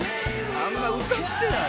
あんま歌ってない